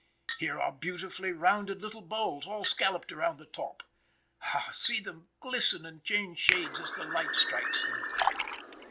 Here are beautifully rounded little bowls, all scalloped around the top; ah, see them glisten and change shades as the light strikes them!